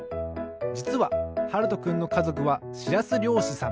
じつははるとくんのかぞくはしらすりょうしさん。